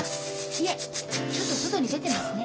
いえちょっと外に出てますね。